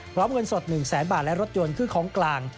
เงินสด๑แสนบาทและรถยนต์คือของกลาง